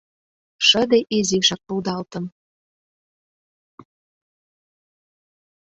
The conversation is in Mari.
Шыде изишак рудалтын.